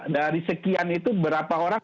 dari sekian itu berapa orang